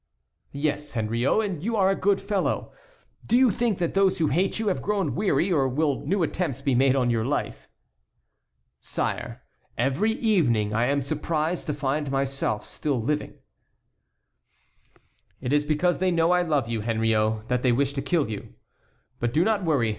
"Yes, Henriot, and you are a good fellow. Do you think that those who hate you have grown weary, or will new attempts be made on your life?" "Sire, every evening I am surprised to find myself still living." "It is because they know I love you, Henriot, that they wish to kill you. But do not worry.